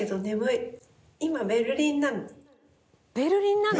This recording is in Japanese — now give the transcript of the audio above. ベルリンなの？